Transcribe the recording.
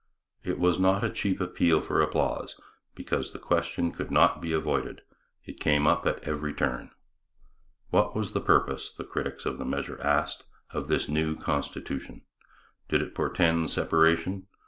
It was not a cheap appeal for applause, because the question could not be avoided. It came up at every turn. What was the purpose, the critics of the measure asked, of this new constitution? Did it portend separation?